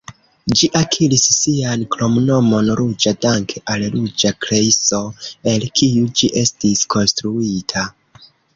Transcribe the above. Ĝi akiris sian kromnomon "ruĝa" danke al ruĝa grejso, el kiu ĝi estis konstruita.